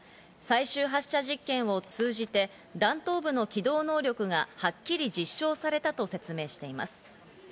最終発射実験を通じて弾頭部の機動能力がはっきり実証されたと説明しています。